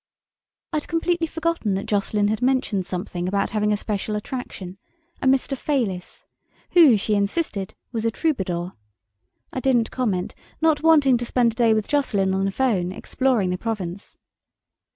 I'd completely forgotten that Jocelyn had mentioned something about having a special attraction: a "Mr. Fayliss", who, she insisted, was a troubadour. I didn't comment, not wanting to spend a day with Jocelyn on the phone, exploring the Provence.